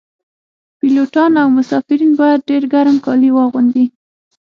پیلوټان او مسافرین باید ډیر ګرم کالي واغوندي